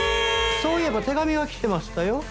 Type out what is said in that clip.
そういえば手紙が来てましたよ